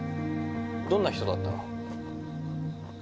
どんな人だったの？